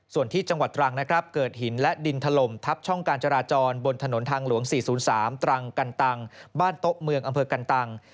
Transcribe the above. ส่วนที่จังหวัดตรังนะครับเกิดหินและดินถล่มทับช่องการจราจรบนถนนทางหลวง๔๐๓ตรังกันตังบ้านโต๊ะเมืองอำเภอกันตัง